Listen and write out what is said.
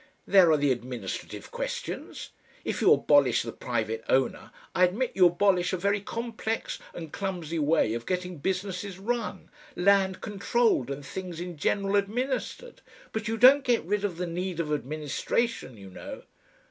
There are the administrative questions. If you abolish the private owner, I admit you abolish a very complex and clumsy way of getting businesses run, land controlled and things in general administered, but you don't get rid of the need of administration, you know."